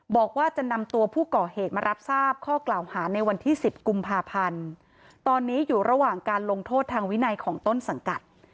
บอกว่าจะนำตัวผู้ก่อเหตุมารับทราบข้อกล่าวหาในวันที่๑๐กุมภาพันธ์ตอนนี้อยู่ระหว่างการลงโทษทางวินัยของต้นสังกัด